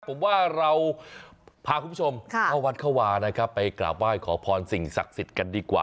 ผมว่าเราพาคุณผู้ชมเข้าวัดเข้าวานะครับไปกราบไหว้ขอพรสิ่งศักดิ์สิทธิ์กันดีกว่า